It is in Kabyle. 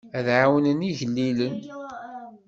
Ad ɛawnen igellilen.